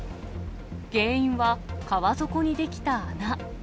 原因は川底に出来た穴。